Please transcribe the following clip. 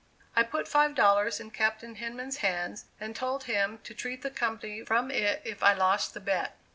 I put five dollars in Captain Hinman's hands, and told him to treat the company from it if I lost the bet.